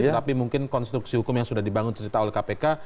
tapi mungkin konstruksi hukum yang sudah dibangun cerita oleh kpk